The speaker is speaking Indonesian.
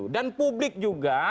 dan publik juga